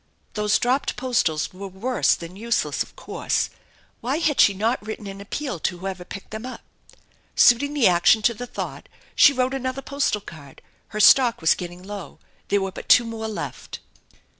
Those dropped postals were worse than useless, of course. Why had she not written an appeal to whoever picked them up ? Suiting the action to the thought she wrote another postal card her stock was getting low, there were but two more left.